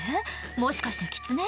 もしかしてキツネ？